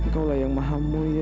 kau lah yang maha mulia